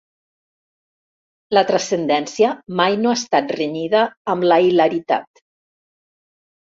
La transcendència mai no ha estat renyida amb la hilaritat.